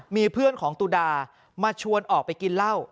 มีเพื่อนของตุดามาชวนออกไปกินเหล้า